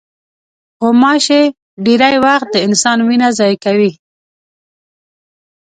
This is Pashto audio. غوماشې ډېری وخت د انسان وینه ضایع کوي.